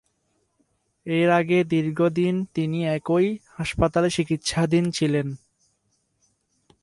এর আগে দীর্ঘদিন তিনি একই হাসপাতালে চিকিৎসাধীন ছিলেন।